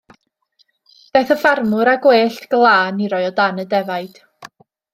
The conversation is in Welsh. Daeth y ffarmwr â gwellt glân i roi o dan y defaid.